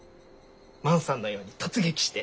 万さんのように突撃して。